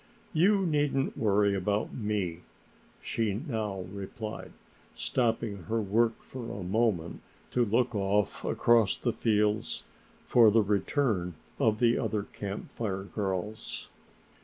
"You needn't worry about me," she now replied, stopping her work for a moment to look off across the fields for the return of the other Camp Fire Girls.